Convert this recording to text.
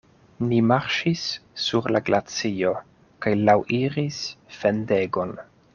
Ni marŝis sur la glacio kaj laŭiris fendegon.